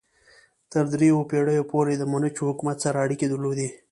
تر دریو پیړیو پورې د منچو حکومت سره اړیکې درلودې.